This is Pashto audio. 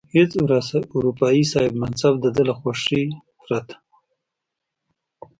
هیڅ اروپايي صاحب منصب د ده له خوښې پرته.